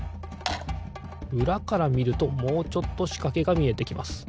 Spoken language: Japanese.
うらからみるともうちょっとしかけがみえてきます。